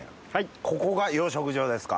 ここが養殖場ですか？